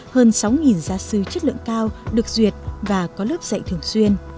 hơn sáu giáo sư chất lượng cao được duyệt và có lớp dạy thường xuyên